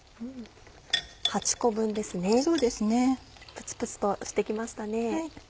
プツプツとして来ましたね。